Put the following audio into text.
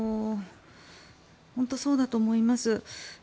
本当にそうだと思います。